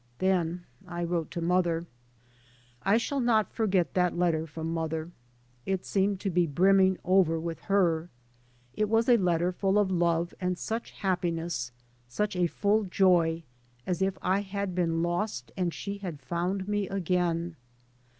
Then I wrote to mother. I shall not forget that letter from mother. It seemed to be brimming over with her. It was a letter full of love and such happiness, such a full joy, as if I had been lost and she had found me again.